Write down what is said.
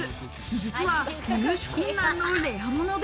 実は入手困難のレア物で。